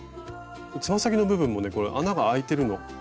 つま先の部分もね穴があいてるの。